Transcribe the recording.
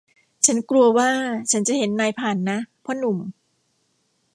ฉันกลัวว่าฉันจะเห็นนายผ่านนะ พ่อหนุ่ม